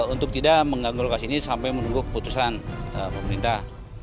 untuk tidak mengganggu lokasi ini sampai menunggu keputusan pemerintah